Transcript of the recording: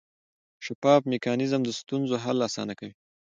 شفاف میکانیزم د ستونزو حل اسانه کوي.